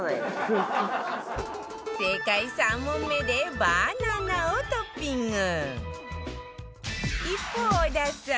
正解３問目でバナナをトッピング一方織田さん